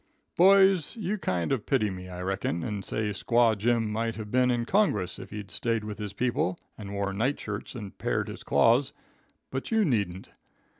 "Boys, you kind of pity me, I reckon, and say Squaw Jim might have been in Congress if he'd stayed with his people and wore night shirts and pared his claws, but you needn't.